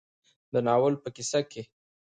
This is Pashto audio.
د ناول په کيسه کې